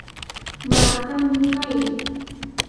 Maa, qam nimayri.